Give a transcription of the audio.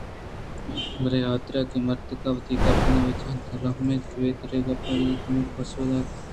پرے حاترا کہ مردک وت گپ بہ جنت ءُالمءَ اے تہاری ءَ گپے جنت بلئے آئی ءِ گپ ءِ پسو نہ دیگ ہم پہ وتی حاترا جنجال ودی کنگءَ اَت